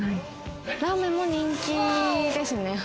ラーメンも人気ですね。